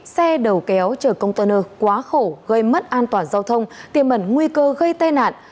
xe đầu kéo chở công tôn ơ quá khổ gây mất an toàn giao thông tiềm mẩn nguy cơ gây tai nạn